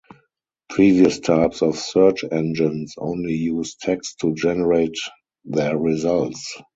Previous types of search engines only use text to generate their results.